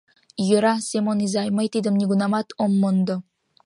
Йӧра, Семон изай, мый тидым нигунамат ом мондо!..